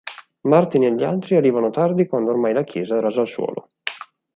Martin e gli altri arrivano tardi quando ormai la chiesa è rasa al suolo.